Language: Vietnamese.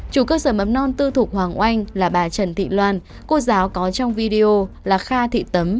chủ cơ sở mầm non tư thục hoàng oanh là bà trần thị loan cô giáo có trong video là kha thị tấm